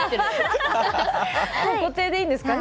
固定でいいんですかね。